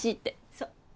そう。